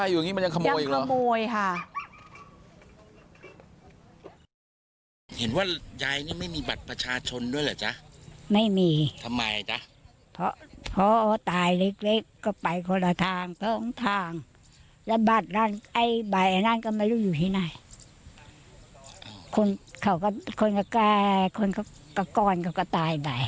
ยังขโมยค่ะ